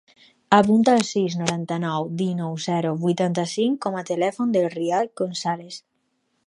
Apunta el sis, noranta-nou, dinou, zero, vuitanta-cinc com a telèfon del Riad Gonzalez.